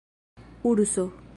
urso